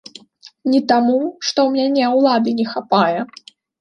Не таму, што ў мяне ўлады не хапае.